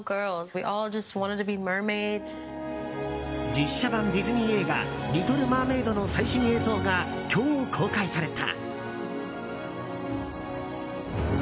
実写版ディズニー映画「リトル・マーメイド」の最新映像が今日公開された。